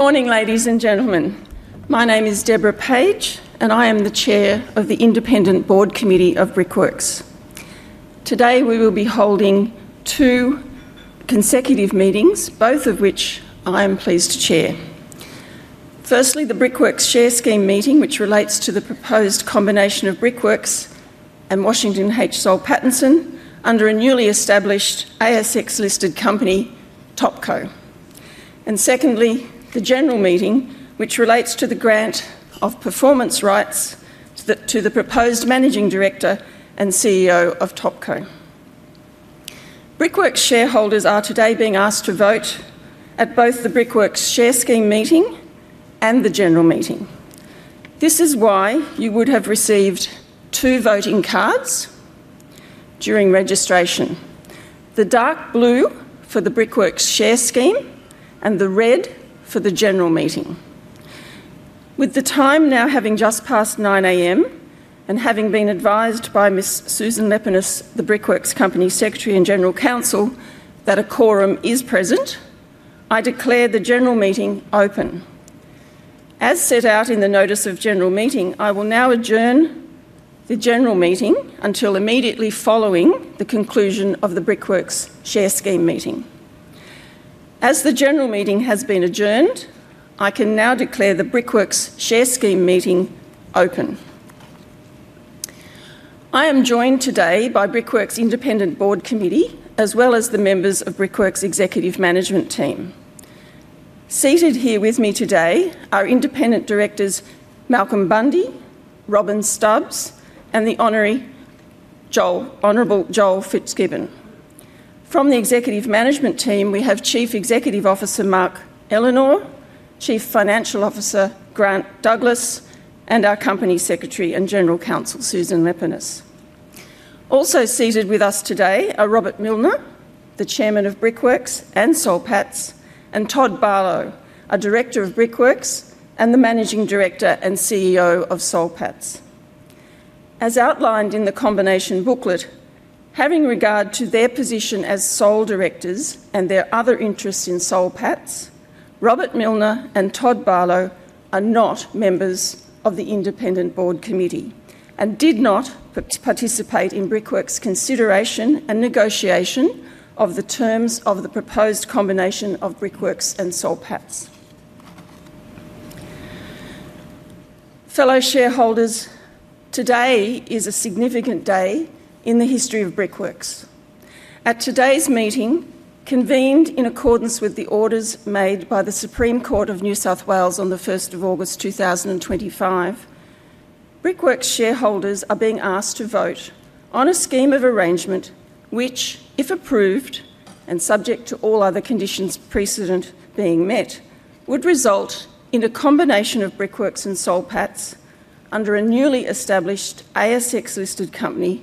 Morning, ladies and gentlemen. My name is Deborah Page, and I am the Chair of the Independent Board Committee of Brickworks. Today, we will be holding two consecutive meetings, both of which I am pleased to chair. Firstly, the Brickworks share scheme meeting, which relates to the proposed combination of Brickworks and Washington H. Soul Pattinson under a newly established ASX-listed company, Topco. Secondly, the general meeting, which relates to the grant of performance rights to the proposed Managing Director and CEO of Topco. Brickworks shareholders are today being asked to vote at both the Brickworks share scheme meeting and the general meeting. This is why you would have received two voting cards during registration: the dark blue for the Brickworks share scheme and the red for the general meeting. With the time now having just passed 9:00 A.M. and having been advised by Ms. Susan Leppinus, the Brickworks Company Secretary and General Counsel, that a quorum is present, I declare the general meeting open. As set out in the notice of general meeting, I will now adjourn the general meeting until immediately following the conclusion of the Brickworks share scheme meeting. As the general meeting has been adjourned, I can now declare the Brickworks share scheme meeting open. I am joined today by Brickworks' Independent Board Committee, as well as the members of Brickworks' Executive Management Team. Seated here with me today are Independent Directors Malcolm Bundey, Robyn Stubbs, and the Hon. Joel Fitzgibbon. From the Executive Management Team, we have Chief Executive Officer Mark Ellenor, Chief Financial Officer Grant Douglas, and our Company Secretary and General Counsel Susan Leppinus. Also seated with us today are Robert Millner, the Chairman of Brickworks and Soul Patts, and Todd Barlow, a Director of Brickworks and the Managing Director and CEO of Soul Patts. As outlined in the combination booklet, having regard to their position as sole directors and their other interests in Soul Patts, Robert Millner and Todd Barlow are not members of the Independent Board Committee and did not participate in Brickworks' consideration and negotiation of the terms of the proposed combination of Brickworks and Soul Patts. Fellow shareholders, today is a significant day in the history of Brickworks. At today's meeting, convened in accordance with the orders made by the Supreme Court of New South Wales on the 1st of August 2025, Brickworks' shareholders are being asked to vote on a scheme of arrangement which, if approved and subject to all other conditions precedent being met, would result in a combination of Brickworks and Soul Patts under a newly established ASX-listed company,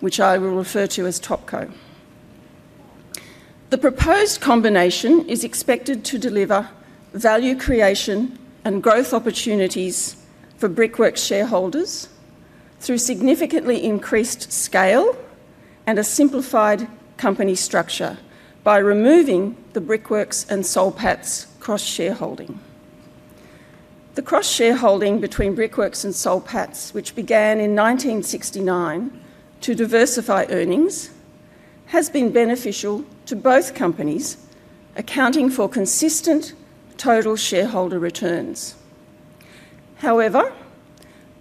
which I will refer to as Topco. The proposed combination is expected to deliver value creation and growth opportunities for Brickworks shareholders through significantly increased scale and a simplified company structure by removing the Brickworks and Soul Patts cross-shareholding. The cross-shareholding between Brickworks and Soul Patts, which began in 1969 to diversify earnings, has been beneficial to both companies, accounting for consistent total shareholder returns. However,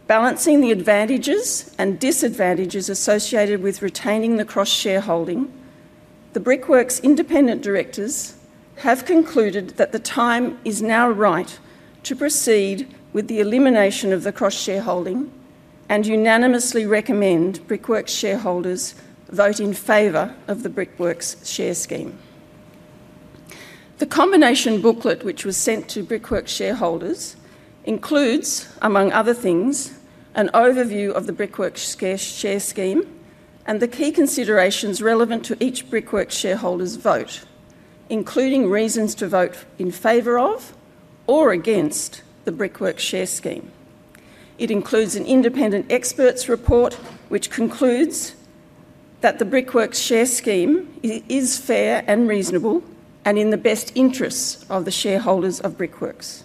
balancing the advantages and disadvantages associated with retaining the cross-shareholding, the Brickworks Independent Directors have concluded that the time is now right to proceed with the elimination of the cross-shareholding and unanimously recommend Brickworks shareholders vote in favor of the Brickworks share scheme. The combination booklet, which was sent to Brickworks shareholders, includes, among other things, an overview of the Brickworks share scheme and the key considerations relevant to each Brickworks shareholder's vote, including reasons to vote in favor of or against the Brickworks share scheme. It includes an independent expert's report, which concludes that the Brickworks share scheme is fair and reasonable and in the best interests of the shareholders of Brickworks,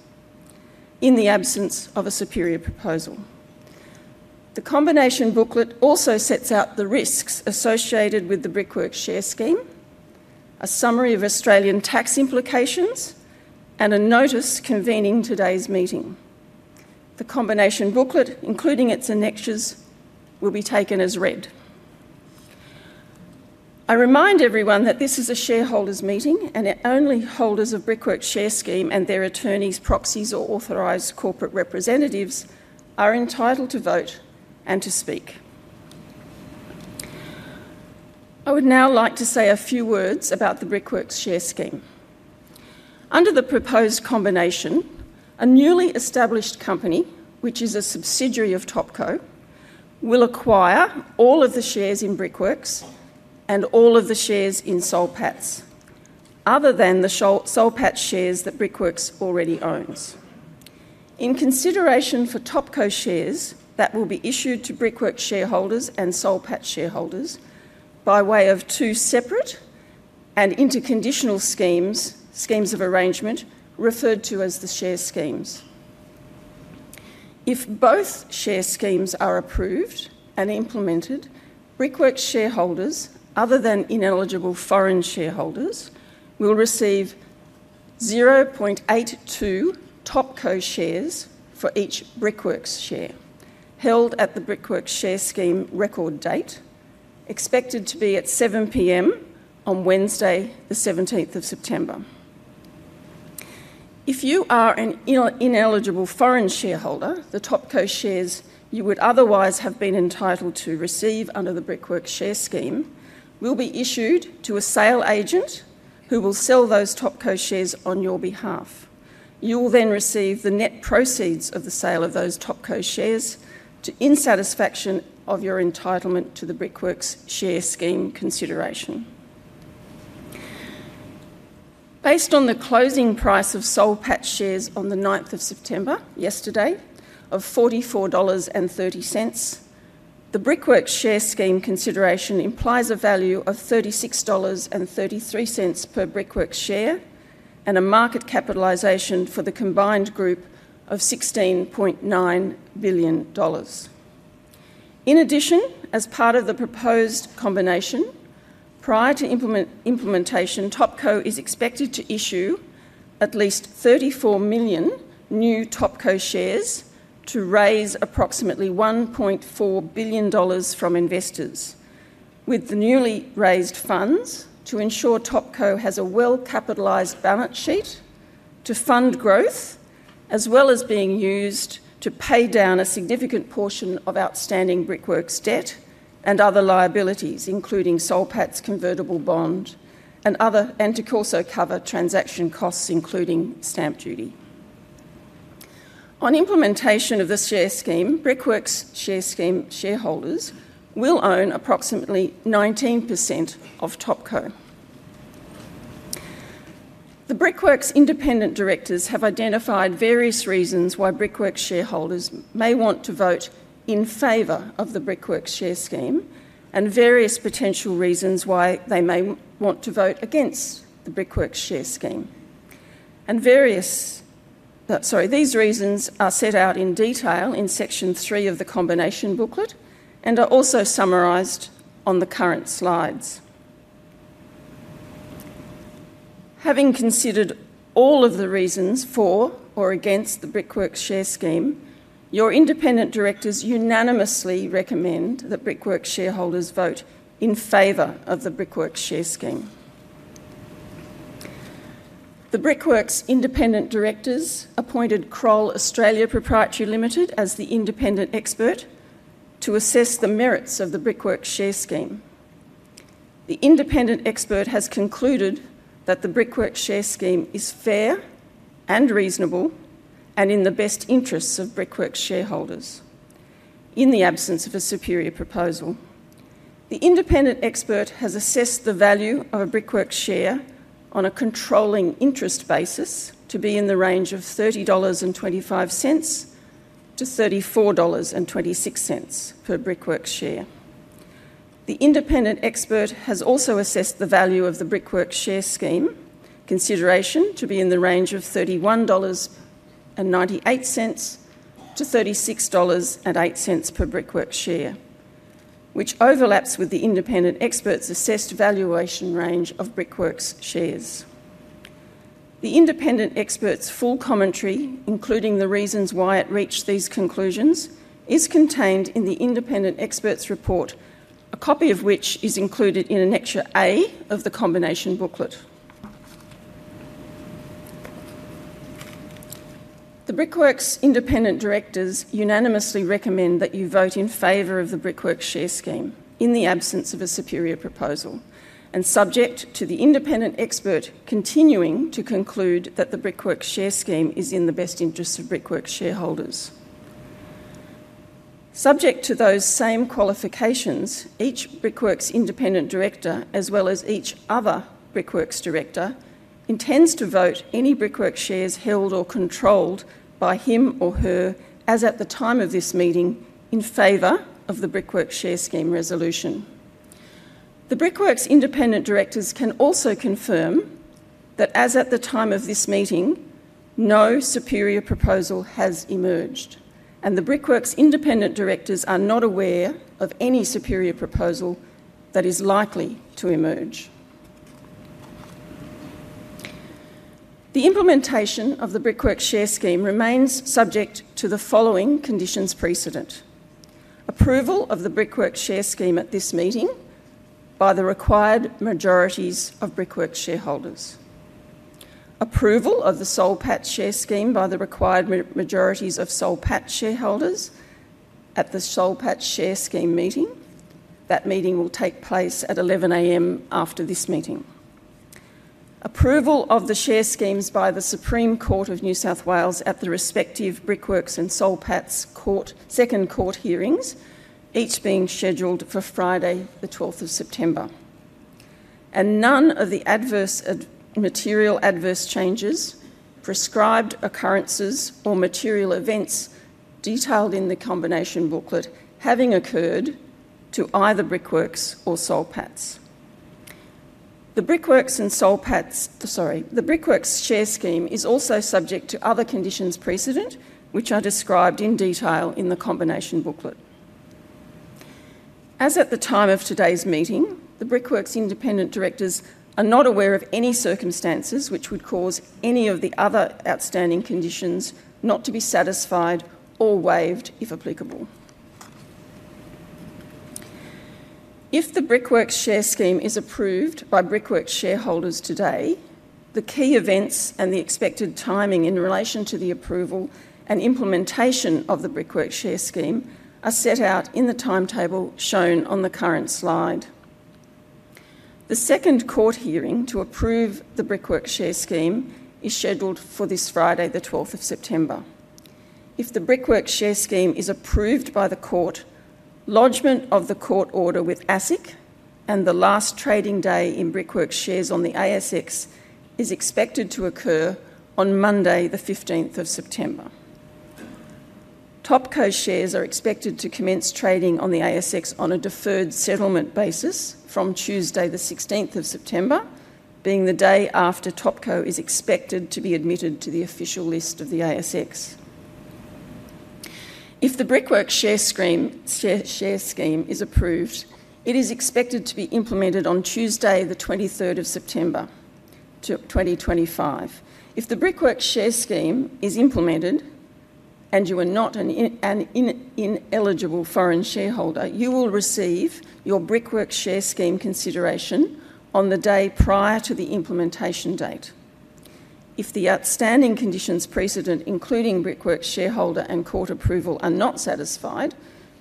in the absence of a superior proposal. The combination booklet also sets out the risks associated with the Brickworks share scheme, a summary of Australian tax implications, and a notice convening today's meeting. The combination booklet, including its annexes, will be taken as read. I remind everyone that this is a shareholders' meeting and that only holders of Brickworks shares and their attorneys, proxies, or authorized corporate representatives are entitled to vote and to speak. I would now like to say a few words about the Brickworks share scheme. Under the proposed combination, a newly established company, which is a subsidiary of Topco, will acquire all of the shares in Brickworks and all of the shares in Soul Patts, other than the Soul Patts shares that Brickworks already owns. In consideration for Topco shares that will be issued to Brickworks shareholders and Soul Patts shareholders by way of two separate and interconditional schemes, schemes of arrangement referred to as the share schemes. If both share schemes are approved and implemented, Brickworks shareholders, other than ineligible foreign shareholders, will receive 0.82 Topco shares for each Brickworks share held at the Brickworks share scheme record date, expected to be at 7:00 P.M. on Wednesday, the 17th of September. If you are an ineligible foreign shareholder, the Topco shares you would otherwise have been entitled to receive under the Brickworks share scheme will be issued to a sale agent who will sell those Topco shares on your behalf. You will then receive the net proceeds of the sale of those Topco shares in satisfaction of your entitlement to the Brickworks share scheme consideration. Based on the closing price of Soul Patts shares on the 9th of September, yesterday, of 44.30 dollars, the Brickworks share scheme consideration implies a value of 36.33 dollars per Brickworks share and a market capitalization for the combined group of 16.9 billion dollars. In addition, as part of the proposed combination, prior to implementation, Topco is expected to issue at least 34 million new Topco shares to raise approximately 1.4 billion dollars from investors, with the newly raised funds to ensure Topco has a well-capitalized balance sheet to fund growth, as well as being used to pay down a significant portion of outstanding Brickworks debt and other liabilities, including Soul Patts' convertible bond and to also cover transaction costs, including stamp duty. On implementation of the share scheme, Brickworks share scheme shareholders will own approximately 19% of Topco. The Brickworks Independent Directors have identified various reasons why Brickworks shareholders may want to vote in favor of the Brickworks share scheme and various potential reasons why they may want to vote against the Brickworks share scheme. These reasons are set out in detail in section three of the combination booklet and are also summarized on the current slides. Having considered all of the reasons for or against the Brickworks share scheme, your Independent Directors unanimously recommend that Brickworks shareholders vote in favor of the Brickworks share scheme. The Brickworks' Independent Directors appointed Kroll Australia Proprietary Limited as the Independent Expert to assess the merits of the Brickworks share scheme. The Independent Expert has concluded that the Brickworks share scheme is fair and reasonable and in the best interests of Brickworks shareholders, in the absence of a superior proposal. The Independent Expert has assessed the value of a Brickworks share on a controlling interest basis to be in the range of 30.25 dollars to 34.26 dollars per Brickworks share. The Independent Expert has also assessed the value of the Brickworks share scheme consideration to be in the range of 31.98 dollars to 36.08 dollars per Brickworks share, which overlaps with the Independent Expert's assessed valuation range of Brickworks shares. The Independent Expert's full commentary, including the reasons why it reached these conclusions, is contained in the Independent Expert's report, a copy of which is included in annex A of the combination booklet. The Brickworks' Independent Directors unanimously recommend that you vote in favor of the Brickworks share scheme, in the absence of a superior proposal, and subject to the Independent Expert continuing to conclude that the Brickworks share scheme is in the best interests of Brickworks shareholders. Subject to those same qualifications, each Brickworks' Independent Director, as well as each other Brickworks Director, intends to vote any Brickworks shares held or controlled by him or her, as at the time of this meeting, in favor of the Brickworks share scheme resolution. The Brickworks' Independent Directors can also confirm that, as at the time of this meeting, no superior proposal has emerged, and the Brickworks' Independent Directors are not aware of any superior proposal that is likely to emerge. The implementation of the Brickworks share scheme remains subject to the following conditions precedent: approval of the Brickworks share scheme at this meeting by the required majorities of Brickworks shareholders, approval of the Soul Patts share scheme by the required majorities of Soul Patts shareholders at the Soul Patts share scheme meeting. That meeting will take place at 11:00 A.M. after this meeting. Approval of the share schemes by the Supreme Court of New South Wales at the respective Brickworks and Soul Patts second court hearings, each being scheduled for Friday, the 12th of September. None of the adverse material changes, prescribed occurrences, or material events detailed in the combination booklet have occurred to either Brickworks or Soul Patts. The Brickworks share scheme is also subject to other conditions precedent, which are described in detail in the combination booklet. As at the time of today's meeting, the Brickworks Independent Directors are not aware of any circumstances which would cause any of the other outstanding conditions not to be satisfied or waived, if applicable. If the Brickworks share scheme is approved by Brickworks shareholders today, the key events and the expected timing in relation to the approval and implementation of the Brickworks share scheme are set out in the timetable shown on the current slide. The second court hearing to approve the Brickworks share scheme is scheduled for this Friday, the 12th of September. If the Brickworks share scheme is approved by the court, lodgement of the court order with ASIC and the last trading day in Brickworks shares on the ASX is expected to occur on Monday, the 15th of September. Topco shares are expected to commence trading on the ASX on a deferred settlement basis from Tuesday, the 16th of September, being the day after Topco is expected to be admitted to the official list of the ASX. If the Brickworks share scheme is approved, it is expected to be implemented on Tuesday, the 23rd of September 2025. If the Brickworks share scheme is implemented and you are not an ineligible foreign shareholder, you will receive your Brickworks share scheme consideration on the day prior to the implementation date. If the outstanding conditions precedent, including Brickworks shareholder and court approval, are not satisfied,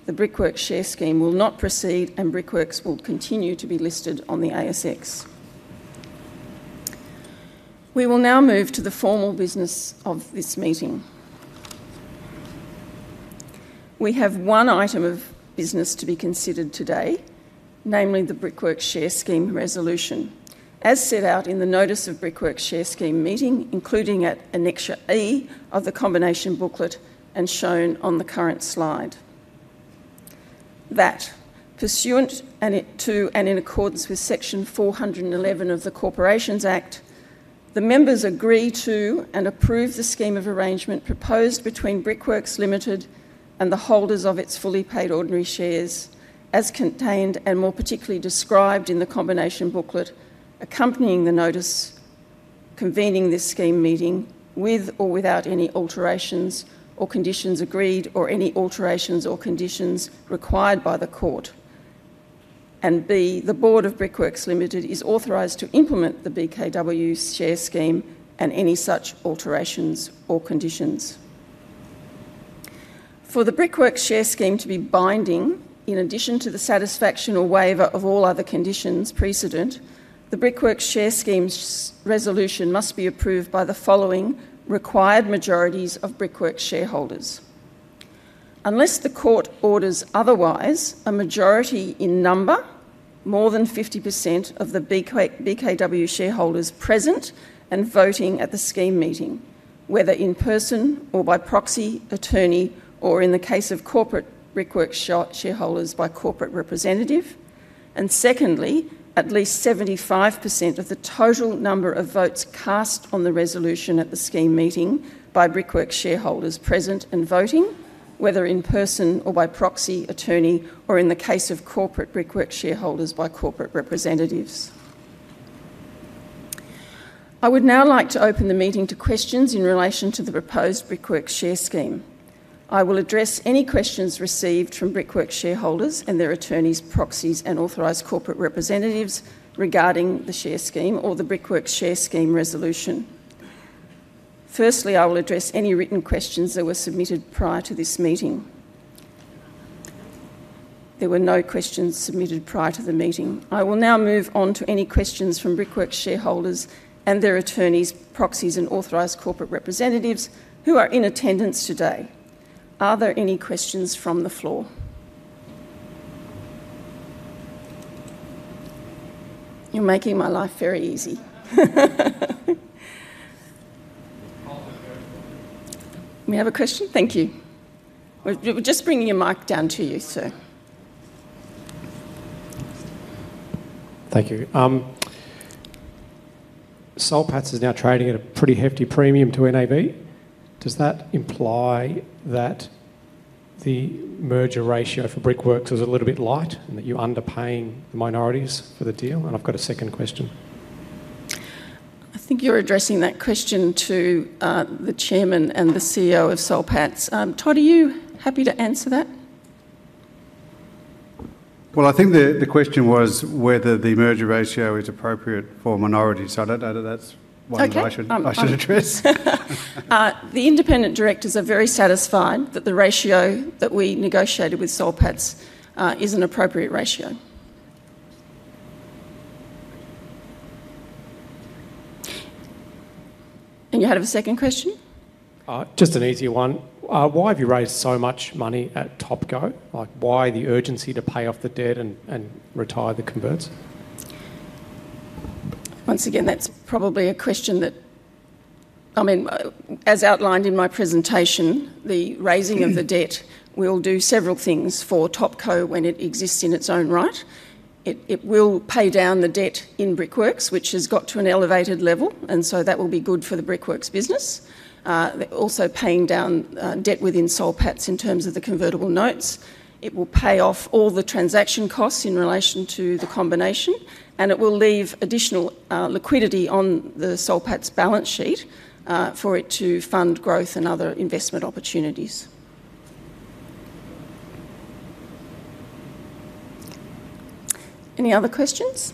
the Brickworks share scheme will not proceed and Brickworks will continue to be listed on the ASX. We will now move to the formal business of this meeting. We have one item of business to be considered today, namely the Brickworks share scheme resolution, as set out in the notice of Brickworks share scheme meeting, including at annex E of the combination booklet and shown on the current slide. That, pursuant to and in accordance with Section 411 of the Corporations Act, the members agree to and approve the scheme of arrangement proposed between Brickworks Limited and the holders of its fully paid ordinary shares, as contained and more particularly described in the combination booklet accompanying the notice convening this scheme meeting with or without any alterations or conditions agreed or any alterations or conditions required by the court. B, the Board of Brickworks Limited is authorized to implement the BKW share scheme and any such alterations or conditions. For the Brickworks share scheme to be binding, in addition to the satisfaction or waiver of all other conditions precedent, the Brickworks share scheme resolution must be approved by the following required majorities of Brickworks shareholders. Unless the court orders otherwise, a majority in number, more than 50% of the BKW shareholders present and voting at the scheme meeting, whether in person or by proxy, attorney, or in the case of corporate Brickworks shareholders by corporate representative. Secondly, at least 75% of the total number of votes cast on the resolution at the scheme meeting by Brickworks shareholders present and voting, whether in person or by proxy, attorney, or in the case of corporate Brickworks shareholders by corporate representatives. I would now like to open the meeting to questions in relation to the proposed Brickworks share scheme. I will address any questions received from Brickworks shareholders and their attorneys, proxies, and authorized corporate representatives regarding the share scheme or the Brickworks share scheme resolution. Firstly, I will address any written questions that were submitted prior to this meeting. There were no questions submitted prior to the meeting. I will now move on to any questions from Brickworks shareholders and their attorneys, proxies, and authorized corporate representatives who are in attendance today. Are there any questions from the floor? You're making my life very easy. We have a question. Thank you. We're just bringing your mic down to you, sir. Thank you. Soul Patts is now trading at a pretty hefty premium to NAB. Does that imply that the merger ratio for Brickworks is a little bit light and that you're underpaying the minorities for the deal? I've got a second question. I think you're addressing that question to the Chairman and the CEO of Soul Patts. Todd, are you happy to answer that? I think the question was whether the merger ratio is appropriate for minorities. I don't know that that's one that I should address. The Independent Directors are very satisfied that the ratio that we negotiated with Soul Patts is an appropriate ratio. Do you have a second question? Just an easy one. Why have you raised so much money at Topco? Like, why the urgency to pay off the debt and retire the converts? Once again, that's probably a question that, I mean, as outlined in my presentation, the raising of the debt will do several things for Topco when it exists in its own right. It will pay down the debt in Brickworks, which has got to an elevated level, and that will be good for the Brickworks business. They're also paying down debt within Soul Patts in terms of the convertible notes. It will pay off all the transaction costs in relation to the combination, and it will leave additional liquidity on the Soul Patts' balance sheet for it to fund growth and other investment opportunities. Any other questions?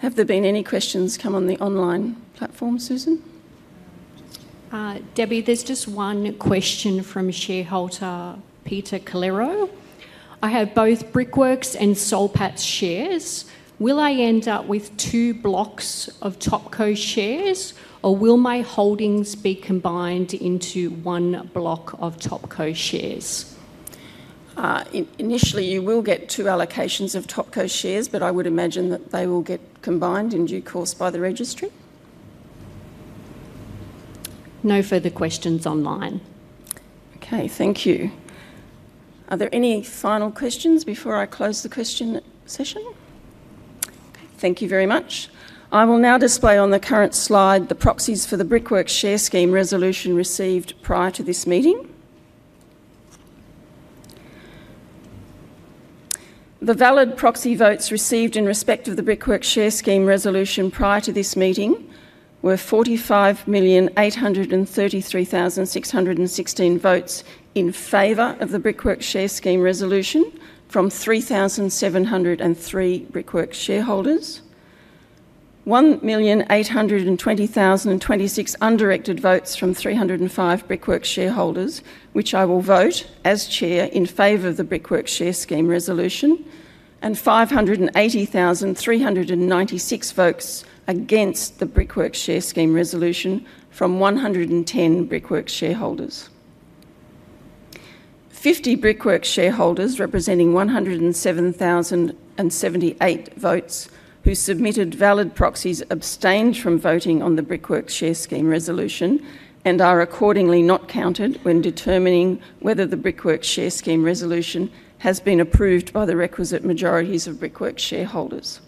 Have there been any questions come on the online platform, Susan? Debbie, there's just one question from shareholder Peter Calero. I have both Brickworks and Soul Patts shares. Will I end up with two blocks of Topco shares, or will my holdings be combined into one block of Topco shares? Initially, you will get two allocations of Topco shares, but I would imagine that they will get combined in due course by the Registrar. No further questions online. Okay, thank you. Are there any final questions before I close the question session? Thank you very much. I will now display on the current slide the proxies for the Brickworks share scheme resolution received prior to this meeting. The valid proxy votes received in respect of the Brickworks share scheme resolution prior to this meeting were 45,833,616 votes in favor of the Brickworks share scheme resolution from 3,703 Brickworks shareholders, 1,820,026 undirected votes from 305 Brickworks shareholders, which I will vote as Chair in favor of the Brickworks share scheme resolution, and 580,396 votes against the Brickworks share scheme resolution from 110 Brickworks shareholders. Fifty Brickworks shareholders representing 107,078 votes who submitted valid proxies abstained from voting on the Brickworks share scheme resolution and are accordingly not counted when determining whether the Brickworks share scheme resolution has been approved by the requisite majorities of Brickworks shareholders.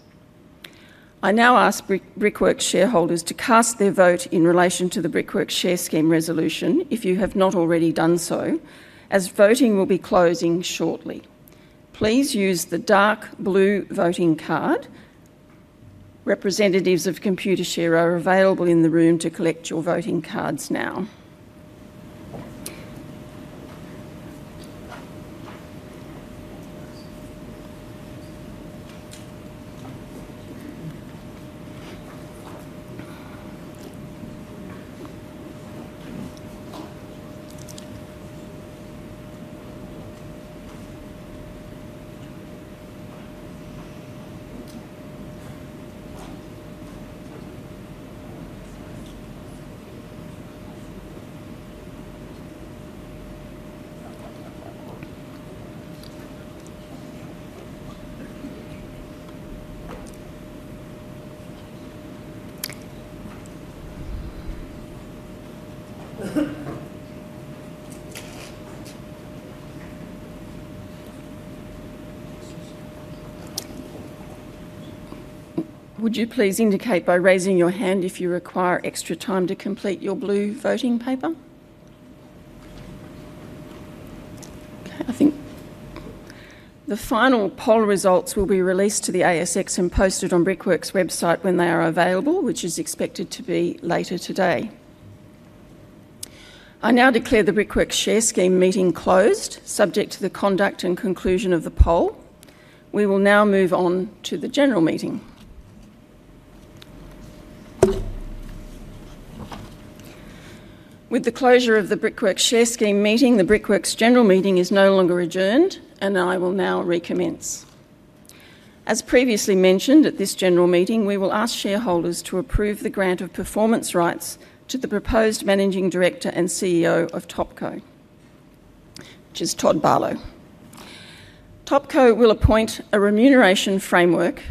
I now ask Brickworks shareholders to cast their vote in relation to the Brickworks share scheme resolution if you have not already done so, as voting will be closing shortly. Please use the dark blue voting card. Representatives of Computershare are available in the room to collect your voting cards now. Would you please indicate by raising your hand if you require extra time to complete your blue voting paper? Okay, I think the final poll results will be released to the ASX and posted on Brickworks' website when they are available, which is expected to be later today. I now declare the Brickworks share scheme meeting closed, subject to the conduct and conclusion of the poll. We will now move on to the general meeting. With the closure of the Brickworks share scheme meeting, the Brickworks general meeting is no longer adjourned, and I will now recommence. As previously mentioned, at this general meeting, we will ask shareholders to approve the grant of performance rights to the proposed Managing Director and CEO of Topco, which is Todd Barlow. Topco will adopt a remuneration framework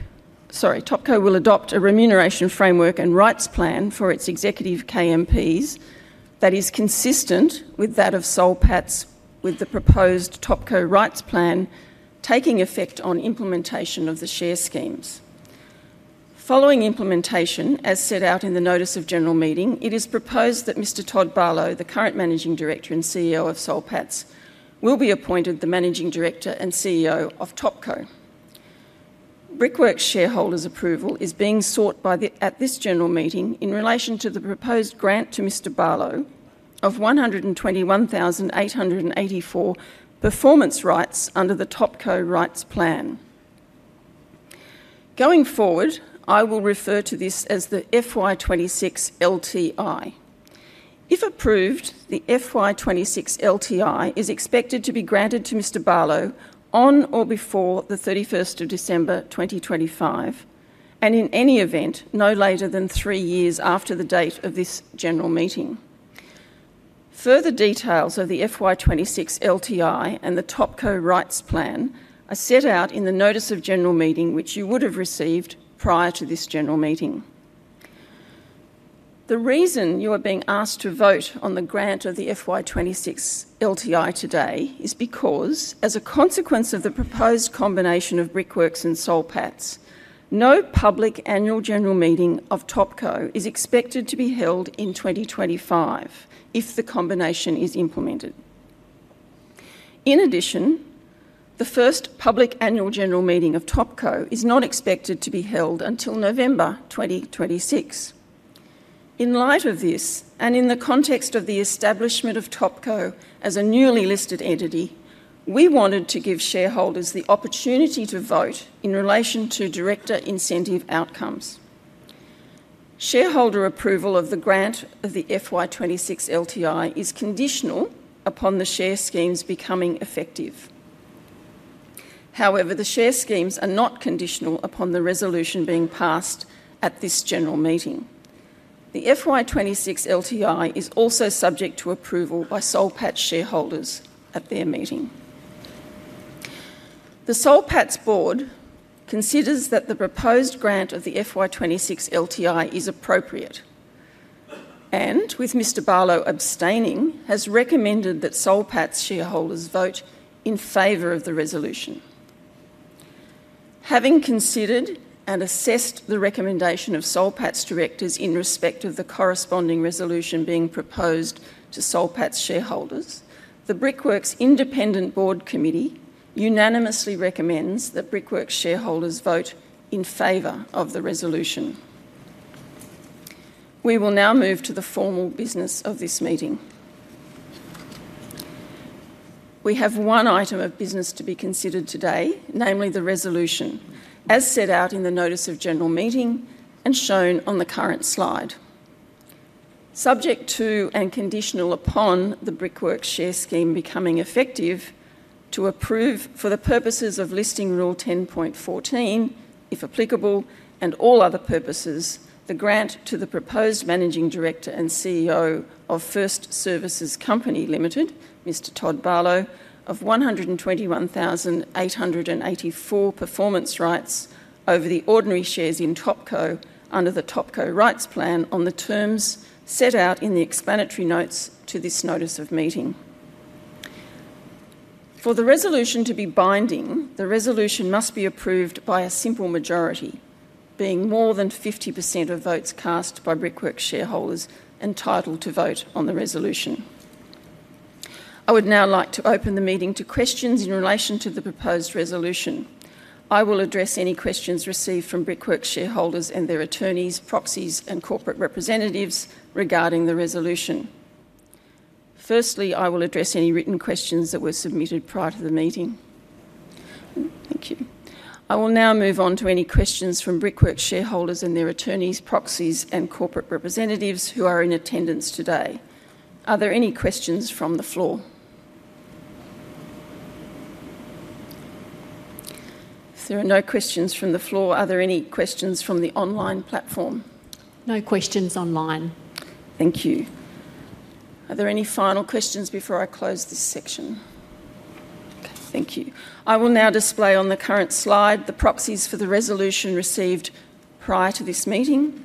and rights plan for its executive KMPs that is consistent with that of Soul Patts with the proposed Topco rights plan taking effect on implementation of the share schemes. Following implementation, as set out in the notice of general meeting, it is proposed that Mr. Todd Barlow, the current Managing Director and CEO of Soul Patts, will be appointed the Managing Director and CEO of Topco. Brickworks shareholders' approval is being sought at this general meeting in relation to the proposed grant to Mr. Barlow of 121,884 performance rights under the Topco rights plan. Going forward, I will refer to this as the FY 2026 LTI. If approved, the FY 2026 LTI is expected to be granted to Mr. Barlow on or before the 31st of December 31, 2025, and in any event, no later than three years after the date of this general meeting. Further details of the FY 2026 LTI and the Topco rights plan are set out in the notice of general meeting, which you would have received prior to this general meeting. The reason you are being asked to vote on the grant of the FY 2026 LTI today is because, as a consequence of the proposed combination of Brickworks and Soul Patts, no public annual general meeting of Topco is expected to be held in 2025 if the combination is implemented. In addition, the first public annual general meeting of Topco is not expected to be held until November 2026. In light of this, and in the context of the establishment of Topco as a newly listed entity, we wanted to give shareholders the opportunity to vote in relation to director incentive outcomes. Shareholder approval of the grant of the FY 2026 LTI is conditional upon the share schemes becoming effective. However, the share schemes are not conditional upon the resolution being passed at this general meeting. The FY 2026 LTI is also subject to approval by Soul Patts shareholders at their meeting. The Soul Patts board considers that the proposed grant of the FY 2026 LTI is appropriate, and with Mr. Barlow abstaining, has recommended that Soul Patts shareholders vote in favor of the resolution. Having considered and assessed the recommendation of Soul Patts directors in respect of the corresponding resolution being proposed to Soul Patts shareholders, the Brickworks Independent Board Committee unanimously recommends that Brickworks shareholders vote in favor of the resolution. We will now move to the formal business of this meeting. We have one item of business to be considered today, namely the resolution, as set out in the notice of general meeting and shown on the current slide. Subject to and conditional upon the Brickworks share scheme becoming effective to approve for the purposes of Listing Rule 10.14, if applicable, and all other purposes, the grant to the proposed Managing Director and CEO of Topco, Mr. Todd Barlow, of 121,884 performance rights over the ordinary shares in Topco under the Topco rights plan on the terms set out in the explanatory notes to this notice of meeting. For the resolution to be binding, the resolution must be approved by a simple majority, being more than 50% of votes cast by Brickworks shareholders entitled to vote on the resolution. I would now like to open the meeting to questions in relation to the proposed resolution. I will address any questions received from Brickworks shareholders and their attorneys, proxies, and corporate representatives regarding the resolution. Firstly, I will address any written questions that were submitted prior to the meeting. Thank you. I will now move on to any questions from Brickworks shareholders and their attorneys, proxies, and corporate representatives who are in attendance today. Are there any questions from the floor? If there are no questions from the floor, are there any questions from the online platform? No questions online. Thank you. Are there any final questions before I close this section? Okay, thank you. I will now display on the current slide the proxies for the resolution received prior to this meeting.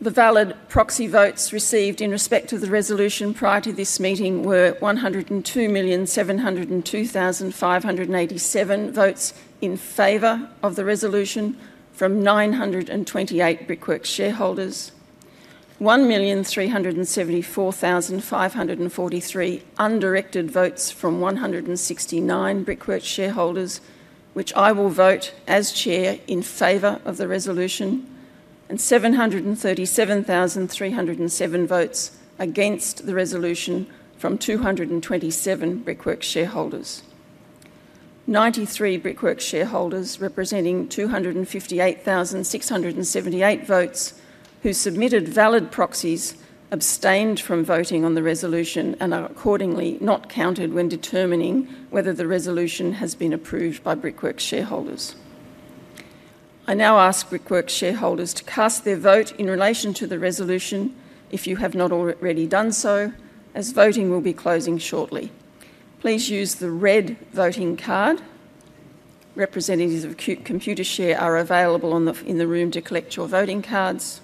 The valid proxy votes received in respect of the resolution prior to this meeting were 102,702,587 votes in favor of the resolution from 928 Brickworks shareholders, 1,374,543 undirected votes from 169 Brickworks shareholders, which I will vote as Chair in favor of the resolution, and 737,307 votes against the resolution from 227 Brickworks shareholders. 93 Brickworks shareholders representing 258,678 votes who submitted valid proxies abstained from voting on the resolution and are accordingly not counted when determining whether the resolution has been approved by Brickworks shareholders. I now ask Brickworks shareholders to cast their vote in relation to the resolution if you have not already done so, as voting will be closing shortly. Please use the red voting card. Representatives of Computershare are available in the room to collect your voting cards.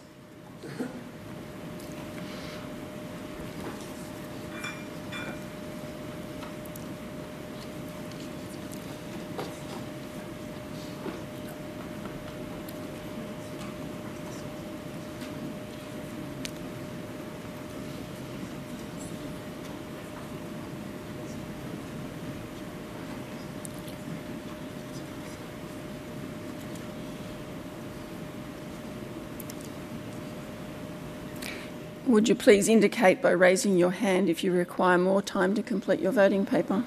Would you please indicate by raising your hand if you require more time to complete your voting paper?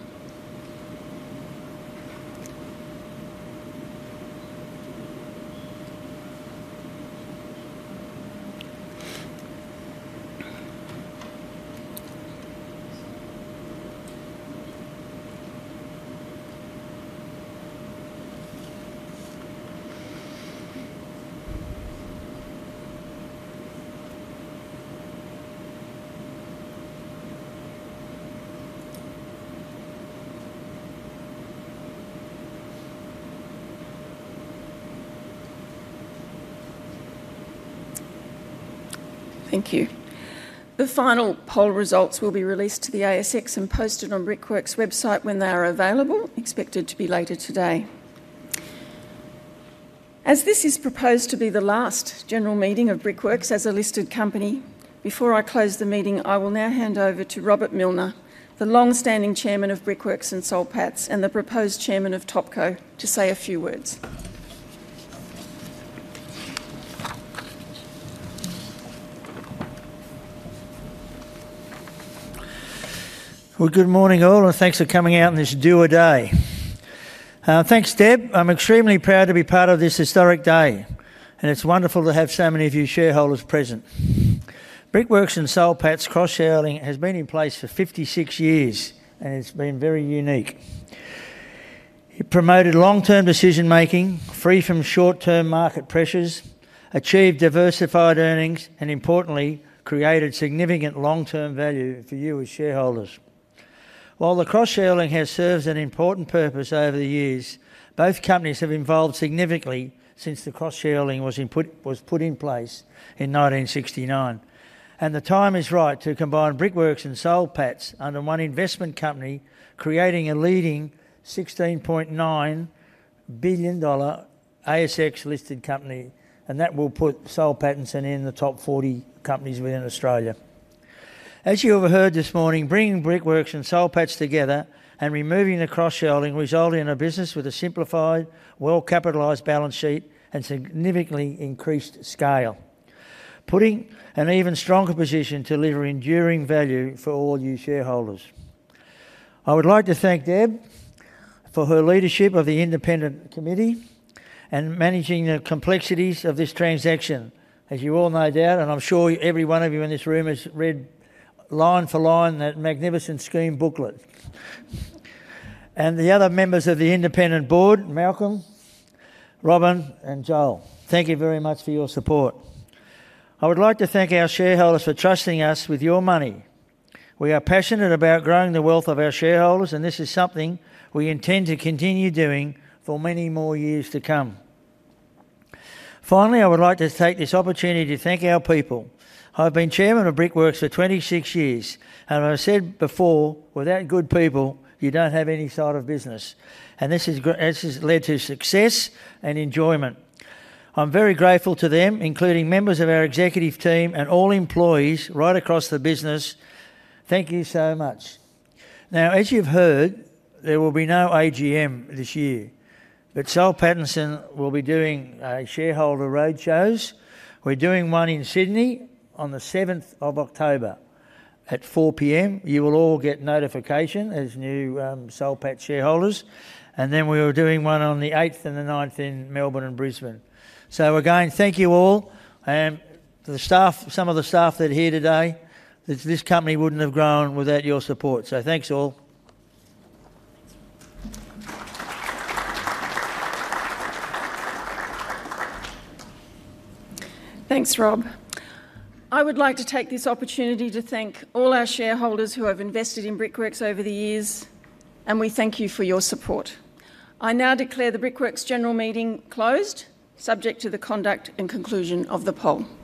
Thank you. The final poll results will be released to the ASX and posted on Brickworks' website when they are available, expected to be later today. As this is proposed to be the last general meeting of Brickworks as a listed company, before I close the meeting, I will now hand over to Robert Millner, the longstanding Chairman of Brickworks and Soul Patts, and the proposed Chairman of Topco to say a few words. Good morning all, and thanks for coming out on this dewy day. Thanks, Deb. I'm extremely proud to be part of this historic day, and it's wonderful to have so many of you shareholders present. Brickworks and Soul Patts' cross-shareholding has been in place for 56 years, and it's been very unique. It promoted long-term decision-making, free from short-term market pressures, achieved diversified earnings, and importantly, created significant long-term value for you as shareholders. While the cross-shareholding has served an important purpose over the years, both companies have evolved significantly since the cross-shareholding was put in place in 1969. The time is right to combine Brickworks and Soul Patts under one investment company, creating a leading 16.9 billion dollar ASX-listed company, and that will put Soul Patts in the top 40 companies within Australia. As you have heard this morning, bringing Brickworks and Soul Patts together and removing the cross-shareholding resulted in a business with a simplified, well-capitalized balance sheet and significantly increased scale, putting us in an even stronger position to deliver enduring value for all you shareholders. I would like to thank Deb for her leadership of the Independent Board Committee and managing the complexities of this transaction. As you all no doubt, and I'm sure every one of you in this room has read line for line that magnificent scheme booklet. The other members of the independent board, Malcolm, Robyn, and Joel, thank you very much for your support. I would like to thank our shareholders for trusting us with your money. We are passionate about growing the wealth of our shareholders, and this is something we intend to continue doing for many more years to come. Finally, I would like to take this opportunity to thank our people. I've been Chairman of Brickworks for 26 years, and as I said before, without good people, you don't have any sort of business. This has led to success and enjoyment. I'm very grateful to them, including members of our executive team and all employees right across the business. Thank you so much. As you've heard, there will be no AGM this year, but Soul Patts will be doing shareholder roadshows. We're doing one in Sydney on the 7th of October at 4:00 P.M. You will all get notification as new Soul Patts shareholders. We are doing one on the 8th and the 9th in Melbourne and Brisbane. Again, thank you all. The staff, some of the staff that are here today, this company wouldn't have grown without your support. Thanks all. Thanks, Rob. I would like to take this opportunity to thank all our shareholders who have invested in Brickworks over the years, and we thank you for your support. I now declare the Brickworks general meeting closed, subject to the conduct and conclusion of the poll. Thank you.